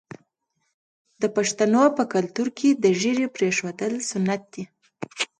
د پښتنو په کلتور کې د ږیرې پریښودل سنت دي.